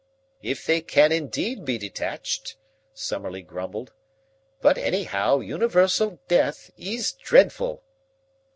"If they can indeed be detached," Summerlee grumbled. "But, anyhow, universal death is dreadful."